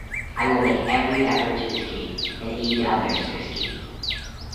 I will make every effort to escape and aid others to escape.